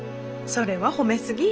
それは褒め過ぎ。